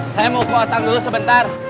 saya mau ke otang dulu sebentar